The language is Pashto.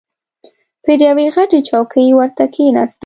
پر یوې غټه چوکۍ ورته کښېناستم.